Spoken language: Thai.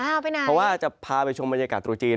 อ้าวไปไหนเพราะว่าจะพาไปชมบรรยากาศตรูจีน